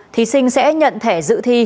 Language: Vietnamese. thí sinh sẽ nhận thẻ dự thi